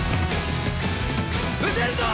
打てるぞ！